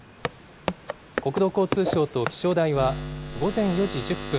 国土交通省と気象台は午前４時１０分